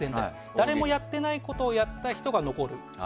誰もやっていないことをやった人が残る。